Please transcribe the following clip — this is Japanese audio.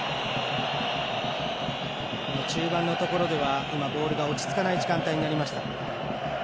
中盤のところでは今、ボールが落ち着かない時間になりました。